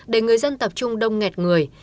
để người dân tập trung đông nghẹt người